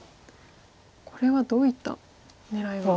これはどういった狙いが。